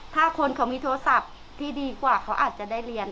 ถ้าคนเขามีโทรศัพท์ที่ดีกว่าเขาอาจจะได้เรียน